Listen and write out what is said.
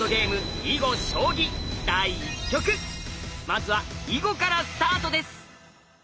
まずは囲碁からスタートです。